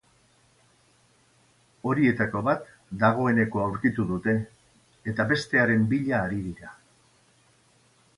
Horietako bat dagoeneko aurkitu dute, eta bestearen bila ari dira.